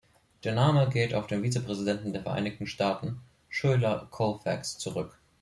Der Name geht auf den Vizepräsidenten der Vereinigten Staaten, Schuyler Colfax, zurück.